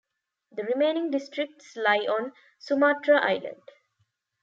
The remaining districts lie on Sumatra Island.